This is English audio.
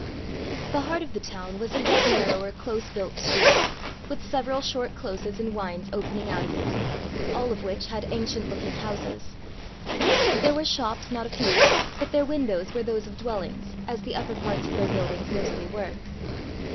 The heart of the town was a yet narrower, close built street, with several short closes and wynds opening out of it all of which had ancient looking houses. There were shops not a few, but their windows were those of dwellings, as the upper parts of their buildings mostly were.